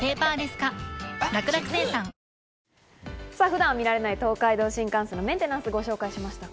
普段見られない、東海道新幹線のメンテナンスをご紹介しました。